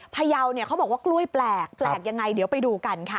พยาวเนี่ยเขาบอกว่ากล้วยแปลกแปลกยังไงเดี๋ยวไปดูกันค่ะ